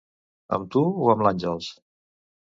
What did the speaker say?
Amb tu o amb l'Àngels?